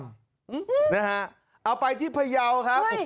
นะฮะเอาไปที่พระเยาค่ะ